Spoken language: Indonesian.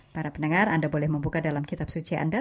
para pendengar anda boleh membuka dalam kitab suci anda